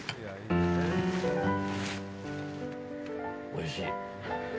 おいしい。